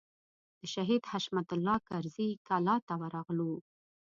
د شهید حشمت الله کرزي کلا ته ورغلو.